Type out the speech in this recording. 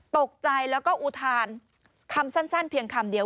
ตกใจแล้วก็อุทานคำสั้นเพียงคำเดียว